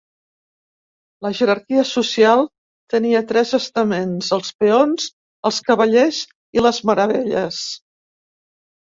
La jerarquia social tenia tres estaments: els peons, els cavallers i les meravelles.